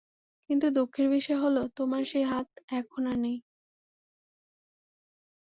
কিন্তু দুঃখের বিষয় হল তোমার সেই হাত এখন আর নেই।